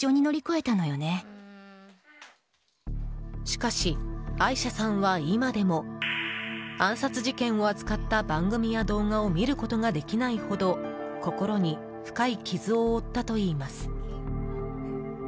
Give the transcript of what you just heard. しかし、アイシャさんは今でも暗殺事件を扱った番組や動画を見ることができないほど心に深い傷を負ったといいます。